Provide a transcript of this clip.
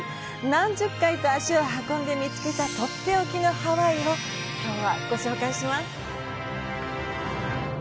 何十回と足を運んで見つけたとっておきのハワイをご紹介します。